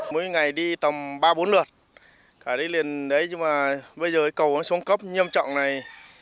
mỗi ngày đi tầm ba bốn lượt cả đi liền đấy nhưng mà bây giờ cầu nó xuống cấp nghiêm trọng này